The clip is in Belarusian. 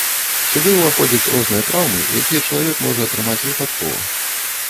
Сюды ўваходзяць розныя траўмы, якія чалавек можа атрымаць выпадкова.